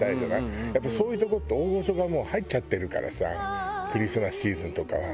やっぱそういうとこって大御所がもう入っちゃってるからさクリスマスシーズンとかは。